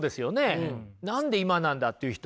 何で今なんだっていう人も多いです。